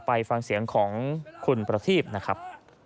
ไปฟังเสียงของคุณประทีบนะครับ